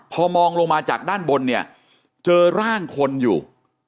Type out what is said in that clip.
พอมองลงมาจากด้านบนเนี่ยเจอร่างคนอยู่